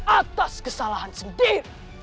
atas kesalahan sendiri